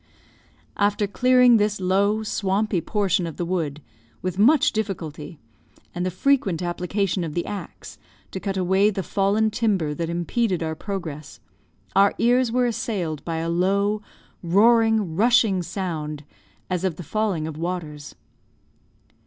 After clearing this low, swampy portion of the wood, with much difficulty, and the frequent application of the axe, to cut away the fallen timber that impeded our progress, our ears were assailed by a low, roaring, rushing sound, as of the falling of waters.